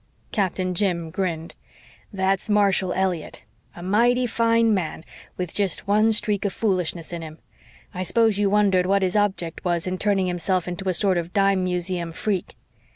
Captain Jim grinned. "That's Marshall Elliott a mighty fine man with jest one streak of foolishness in him. I s'pose you wondered what his object was in turning himself into a sort of dime museum freak."